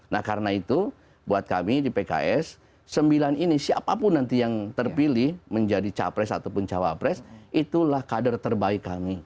nah karena itu buat kami di pks sembilan ini siapapun nanti yang terpilih menjadi capres ataupun cawapres itulah kader terbaik kami